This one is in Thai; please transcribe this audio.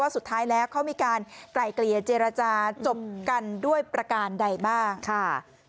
สุดท้ายแล้วเขามีการไกล่เกลี่ยเจรจาจบกันด้วยประการใดบ้างค่ะ